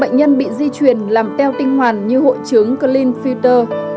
bảy mươi năm bệnh nhân bị di chuyển làm teo tinh hoàn như hội chứng clean filter